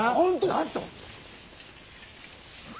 なんと！